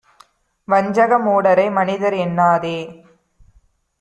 வஞ்சக மூடரை மனிதர் என்னாதே!